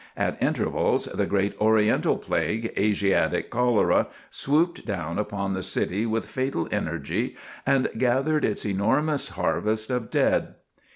At intervals, the great oriental plague, Asiatic cholera, swooped down upon the city with fatal energy and gathered its enormous harvest of dead.